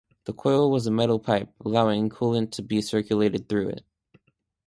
The coil was a metal pipe, allowing coolant to be circulated through it.